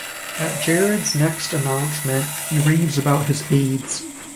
At Jared's next announcement, he raves about his aides.